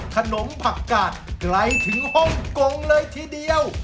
ขนมผักกาดไกลถึงฮ่องกงเลยทีเดียว